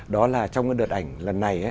đó là trong đợt ảnh lần này